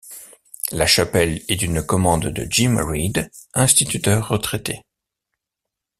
La chapelle est une commande de Jim Reed, instituteur retraité.